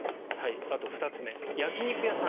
あと、２つ目は焼き肉屋さん。